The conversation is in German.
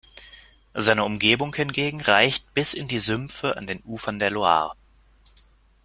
Seine Umgebung hingegen reicht bis in die Sümpfe an den Ufern der Loire.